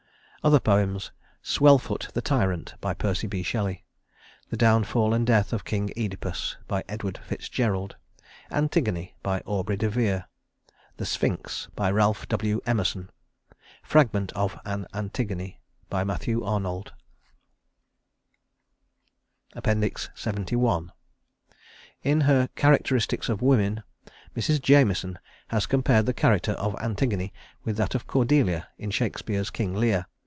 Other poems: Swell foot the Tyrant PERCY B. SHELLEY The Downfall and Death of King Œdipus EDWARD FITZGERALD Antigone AUBREY DE VERE The Sphinx RALPH W. EMERSON Fragment of an Antigone MATTHEW ARNOLD LXXI In her "Characteristics of Women," Mrs. Jameson has compared the character of Antigone with that of Cordelia in Shakespeare's "King Lear."